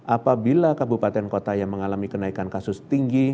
apabila kabupaten kota yang mengalami kenaikan kasus tinggi